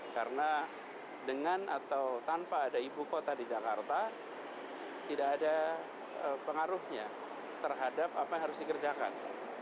karena dengan atau tanpa ada ibu kota di jakarta tidak ada pengaruhnya terhadap apa yang harus dikerjakan